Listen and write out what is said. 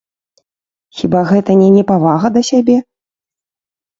Хіба гэта не непавага да сябе?